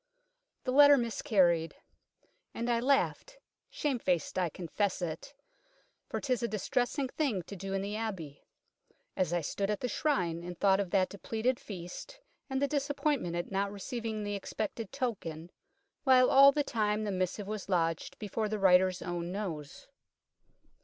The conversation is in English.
The letter miscarried. And I laughed shame faced I confess it, for 'tis a distressing thing to do in the Abbey as I stood at the Shrine and thought of that depleted feast and the disappoint ment at not receiving the expected " token," while all the time the missive was lodged before the writer's own nose.